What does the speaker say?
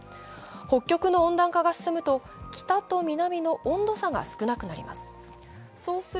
北極の温暖化が進むと北と南の温度差が少なくなります。